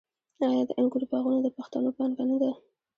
آیا د انګورو باغونه د پښتنو پانګه نه ده؟